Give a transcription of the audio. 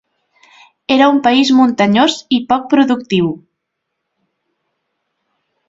Era un país muntanyós i poc productiu.